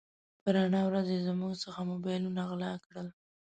په رڼا ورځ يې زموږ څخه موبایلونه غلا کړل.